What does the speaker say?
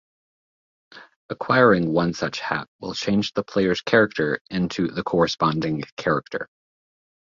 Acquiring one such hat will change the player's character into the corresponding character.